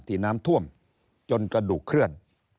ที่น้ำท่วมจนกระดูกเคลื่อน